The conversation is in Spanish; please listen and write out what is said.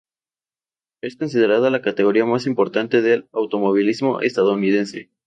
Es considerada la categoría más importante del automovilismo estadounidense.